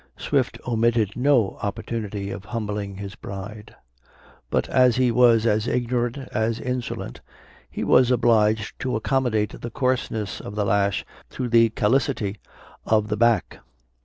Swift omitted no opportunity of humbling his pride; but, as he was as ignorant as insolent, he was obliged to accommodate the coarseness of the lash to the callosity of the back.